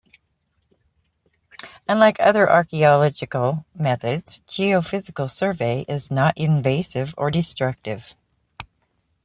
Unlike other archaeological methods, geophysical survey is not invasive or destructive.